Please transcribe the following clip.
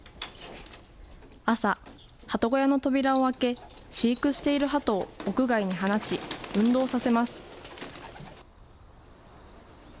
朝、ハト小屋の扉を開け、飼育しているハトを屋外に放ち、運動させます。